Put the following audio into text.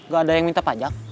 gak ada yang minta pajak